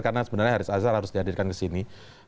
karena sebenarnya haris azhar harus dihadirkan ke sini